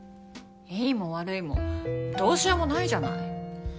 いいも悪いもどうしようもないじゃない。